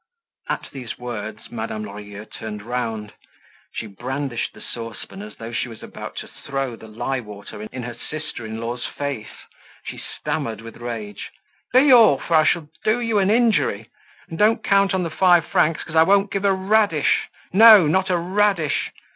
At these words Madame Lorilleux turned round. She brandished the saucepan as though she was about to throw the lye water in her sister in law's face. She stammered with rage: "Be off, or I shall do you an injury! And don't count on the five francs because I won't give a radish! No, not a radish!